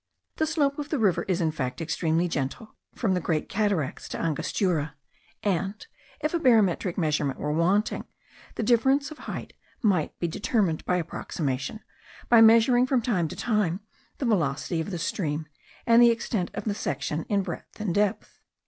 The slope of the river is in fact extremely gentle from the Great Cataracts to Angostura; and, if a barometric measurement were wanting, the difference of height might be determined by approximation, by measuring from time to time the velocity of the stream, and the extent of the section in breadth and depth.